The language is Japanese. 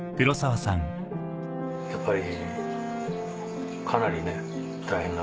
やっぱり。